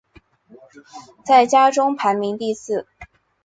在家中排行第四。